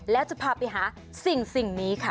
แล้วจะพาไปหาสิ่งนี้ค่ะ